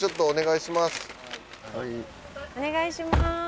お願いします。